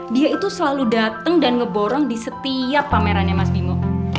dia itu selalu datang dan ngeborong di setiap pamerannya mas bimo